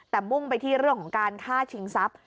แต่มุ่งไปที่เรื่องของการฆ่าชิงทรัพย์